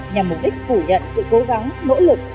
nhằm mục đích phủ nhận sự cố gắng nỗ lực